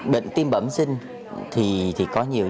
bệnh tim bẩm sinh thì có nhiều